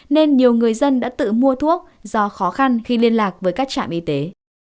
nên nhiều người dân đã tự mua thuốc do khó khăn khi liên lạc với các trạm y tế